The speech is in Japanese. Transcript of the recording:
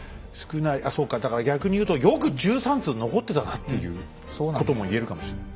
あそうかだから逆に言うとよく１３通残ってたなっていうことも言えるかもしれない。